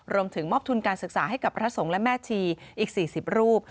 รวมถึงมอบทุนการศึกษาให้กับพระสงฆ์และแม่ชีอีก๔๐รูป